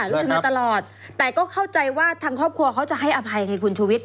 รู้สึกมาตลอดแต่ก็เข้าใจว่าทางครอบครัวเขาจะให้อภัยไงคุณชุวิต